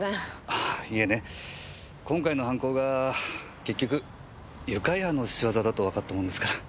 あぁいえね今回の犯行が結局愉快犯の仕業だとわかったもんですから。